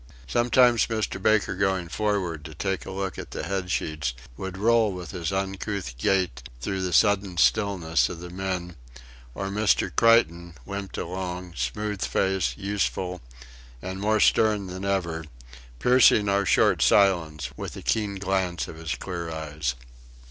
Sometimes Mr. Baker going forward to take a look at the head sheets would roll with his uncouth gait through the sudden stillness of the men; or Mr. Creighton limped along, smooth faced, youthful, and more stern than ever, piercing our short silence with a keen glance of his clear eyes.